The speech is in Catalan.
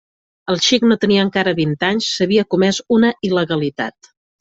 El xic no tenia encara vint anys; s'havia comès una il·legalitat.